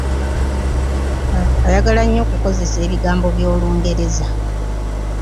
Ayagala nnyo okukozesa ebigambo by’Olungereza.